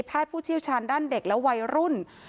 ผู้เชี่ยวชาญด้านเด็กและวัยรุ่น